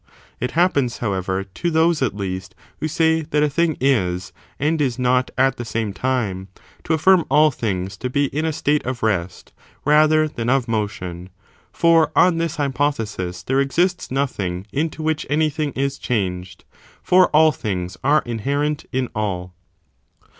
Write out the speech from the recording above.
It happens, however, to those, at least, who say that a thing is and is not at the same time,* to affirm all things to be in a state of rest, rather than of motion; for, on ttos hypothesis, there exists nothing into which anything is changed, for all things are inherent in all.